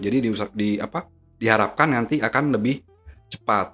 jadi diharapkan nanti akan lebih cepat